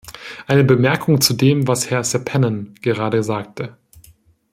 Eine Bemerkung zu dem, was Herr Seppänen gerade sagte.